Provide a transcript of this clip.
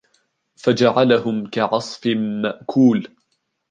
فَجَعَلَهُمْ كَعَصْفٍ مَأْكُولٍ